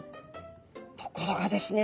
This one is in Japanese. ところがですね